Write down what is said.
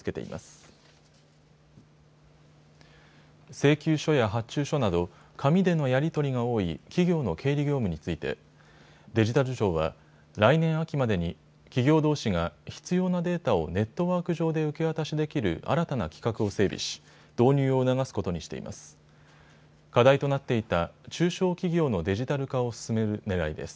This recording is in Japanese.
請求書や発注書など紙でのやり取りが多い企業の経理業務についてデジタル庁は来年秋までに企業どうしが必要なデータをネットワーク上で受け渡しできる新たな規格を整備し、導入を促すことにしています。